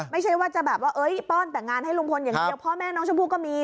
ไม่ใช่ว่าจะแบบว่าป้อนแต่งงานให้ลุงพลอย่างเดียวพ่อแม่น้องชมพู่ก็มี